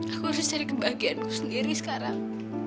aku harus cari kebahagiaanku sendiri sekarang